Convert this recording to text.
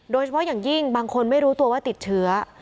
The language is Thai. โดยเฉพาะอย่างยิ่งบางคนไม่รู้ตัวว่าติดเชื้อ